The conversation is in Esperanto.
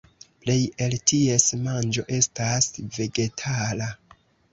Plej el ties manĝo estas vegetala.